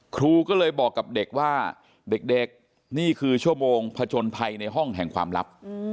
ครูก็เลยบอกกับเด็กว่าเด็กนี่คือชั่วโมงผจญภัยในห้องแห่งความลับ